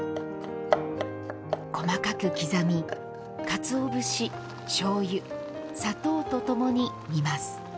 細かく刻み、かつお節しょうゆ、砂糖とともに煮ます。